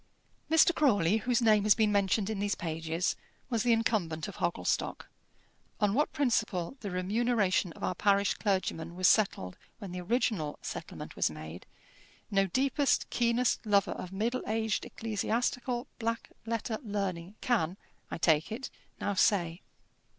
Mr. Crawley, whose name has been mentioned in these pages, was the incumbent of Hogglestock. On what principle the remuneration of our parish clergymen was settled when the original settlement was made, no deepest, keenest lover of middle aged ecclesiastical black letter learning can, I take it, now say.